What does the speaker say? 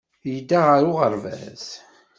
Yedda ɣer uɣerbaz.